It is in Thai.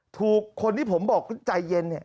ถูกคนที่ผมบอกใจเย็น